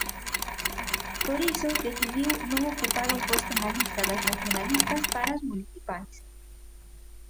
Por iso decidiu non ocupar un posto na lista das nacionalistas para as municipais.